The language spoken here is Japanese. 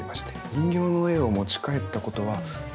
人形の絵を持ち帰ったことはないですか？